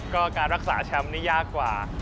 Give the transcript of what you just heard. ก็การรักษาแชมป์นี่ยากกว่า